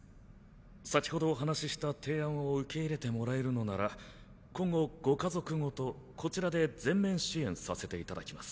先程お話しした提案を受け入れてもらえるのなら今後ご家族ごとこちらで全面支援させていただきます。